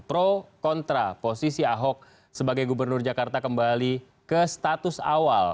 pro kontra posisi ahok sebagai gubernur jakarta kembali ke status awal